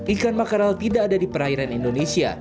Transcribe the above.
ikan makaral tidak ada di perairan indonesia